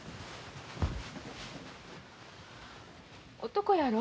男やろ。